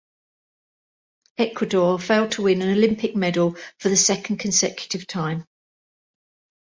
Ecuador failed to win an Olympic medal for the second consecutive time.